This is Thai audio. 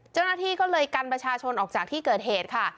เจ้าหน้าที่ก็เลยกันประชาชนออกจากที่เกิดเหตุค่ะ